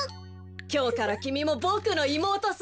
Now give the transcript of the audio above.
きょうからきみもボクのいもうとさ。